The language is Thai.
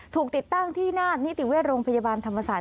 ถูกติดตั้งที่หน้านิติเวชโรงพยาบาลธรรมศาสตร์